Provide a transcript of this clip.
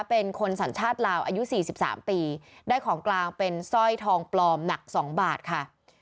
เป็นคนสัญชาติลาวอายุ๔๓ปีได้ของกลางเป็นสร้อยทองปลอมหนัก๒บาทค่ะ